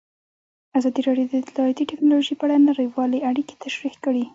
ازادي راډیو د اطلاعاتی تکنالوژي په اړه نړیوالې اړیکې تشریح کړي.